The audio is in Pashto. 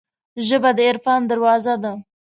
ژبه د عرفان دروازه ده